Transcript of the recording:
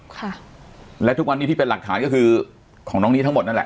ค่ะและทุกวันนี้ที่เป็นหลักฐานก็คือของน้องนี้ทั้งหมดนั่นแหละ